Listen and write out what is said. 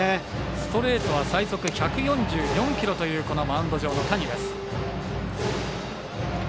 ストレートは最速１４４キロというマウンド上の谷です。